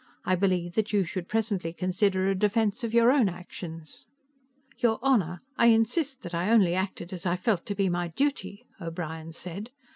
I believe that you should presently consider a defense of your own actions." "Your Honor, I insist that I only acted as I felt to be my duty," O'Brien said.